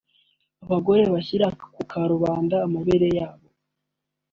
abagore bashyira ku karubanda amabere yabo